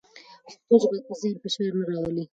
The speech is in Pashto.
پښتو ژبه پر ذهن فشار نه راولي.